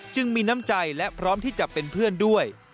มีน้ำใจและพร้อมที่จะเป็นเพื่อนด้วย